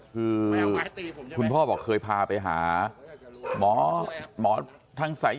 คือคุณพ่อบอกเคยพาไปหาหมอทางศัยศาสตร์หรืออะไรเนี่ย